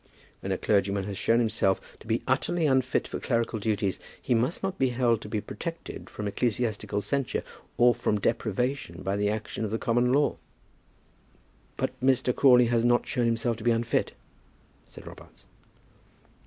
When a clergyman has shown himself to be utterly unfit for clerical duties, he must not be held to be protected from ecclesiastical censure or from deprivation by the action of the common law." "But Mr. Crawley has not shown himself to be unfit," said Robarts.